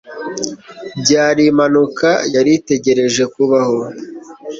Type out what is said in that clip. Byari impanuka yari itegereje kubaho.